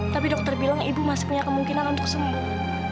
tapi dokter bilang ibu masih punya kemungkinan untuk sembuh